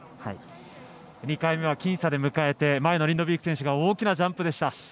２回目は僅差で迎えて前のリンドビーク選手が大きなジャンプでした。